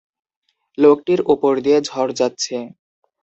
লোকটির ওপর দিয়ে ঝড় যাচ্ছে।